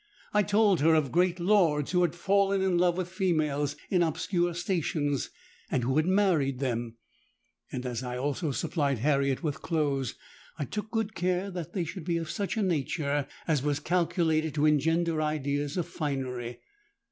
I told her of great lords who had fallen in love with females in obscure stations, and who had married them; and as I also supplied Harriet with clothes, I took good care that they should be of such a nature as was calculated to engender ideas of finery.